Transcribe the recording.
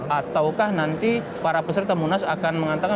ataukah nanti para peserta munas akan mengatakan